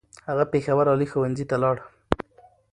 هغه پېښور عالي ښوونځی ته ولاړ.